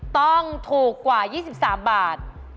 ต้องถูกกว่า๒๓บาท